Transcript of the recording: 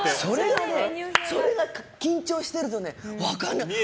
それがね、緊張してると分かんないの。